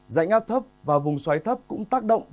dãy ngáp thấp và vùng xoáy thấp cũng tác động